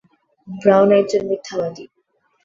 Brown একজন মিথ্যাবাদী।